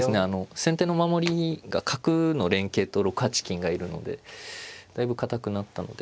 先手の守りが角の連携と６八金がいるのでだいぶ堅くなったので。